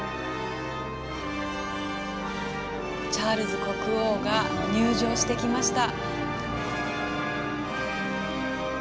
チャールズ国王が入場してきました。